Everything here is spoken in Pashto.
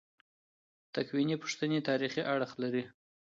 تکویني پوښتنې تاریخي اړخ لري.